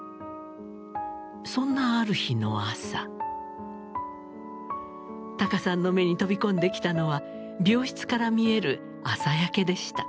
そんなある日の朝ＴＡＫＡさんの目に飛び込んできたのは病室から見える朝焼けでした。